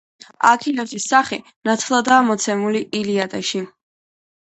აქილევსის სახე ნათლადაა მოცემული „ილიადაში“.